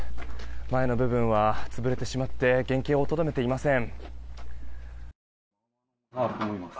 前の部分は潰れてしまって原形をとどめていません。